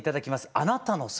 「あなたの空」。